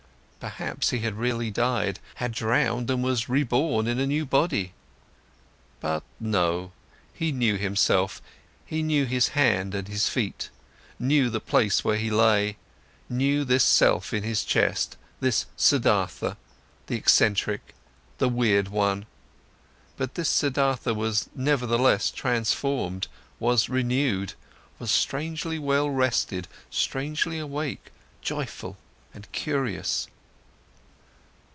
Perhaps, he had really died, had drowned and was reborn in a new body? But no, he knew himself, he knew his hands and his feet, knew the place where he lay, knew this self in his chest, this Siddhartha, the eccentric, the weird one, but this Siddhartha was nevertheless transformed, was renewed, was strangely well rested, strangely awake, joyful and curious.